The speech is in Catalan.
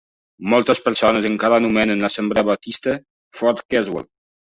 Moltes persones encaren anomenen l"assemblea baptista "Fort Caswell".